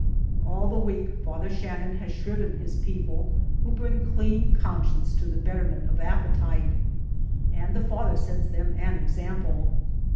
All the week Father Shannon has shriven his people, who bring clean conscience to the betterment of appetite, and the Father sets them an example.